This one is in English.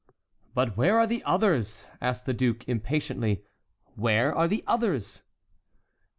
"But where are the others?" asked the duke, impatiently, "where are the others?"